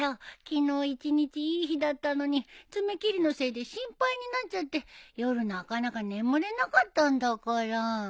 昨日一日いい日だったのに爪切りのせいで心配になっちゃって夜なかなか眠れなかったんだから。